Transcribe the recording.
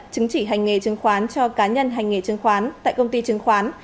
chứng chỉ hành nghề chứng khoán cho cá nhân hành nghề chứng khoán tại công ty chứng khoán